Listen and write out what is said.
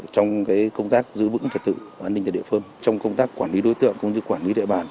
trong công tác giữ vững trật tự an ninh tại địa phương trong công tác quản lý đối tượng cũng như quản lý địa bàn